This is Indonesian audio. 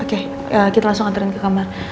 oke kita langsung antrian ke kamar